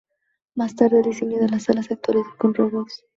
Más tarde, el diseño de la sala se actualizó con robots.